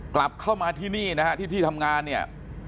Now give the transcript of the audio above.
กลับเข้ามาที่นี่นะฮะที่ที่ทำงานเนี่ย